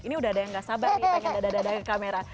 ini udah ada yang gak sabar nih pengen dada dadah ke kamera